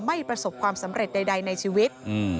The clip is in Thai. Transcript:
ประสบความสำเร็จใดในชีวิต